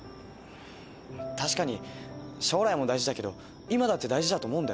確かに将来も大事だけど今だって大事だと思うんだよ。